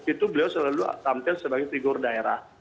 itu beliau selalu tampil sebagai figur daerah